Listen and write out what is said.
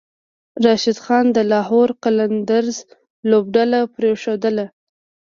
راشد خان د لاهور قلندرز لوبډله پریښودله